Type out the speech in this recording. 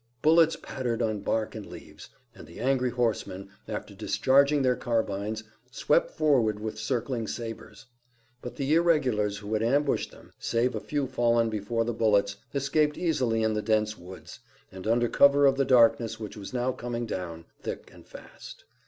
Bullets pattered on bark and leaves, and the angry horsemen, after discharging their carbines, swept forward with circling sabers. But the irregulars who had ambushed them, save a few fallen before the bullets, escaped easily in the dense woods, and under cover of the darkness which was now coming down, thick and fast.